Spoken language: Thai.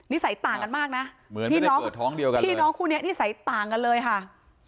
สัยต่างกันมากนะเหมือนพี่น้องสุดท้องเดียวกันพี่น้องคู่นี้นิสัยต่างกันเลยค่ะ